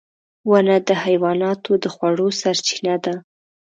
• ونه د حیواناتو د خوړو سرچینه ده.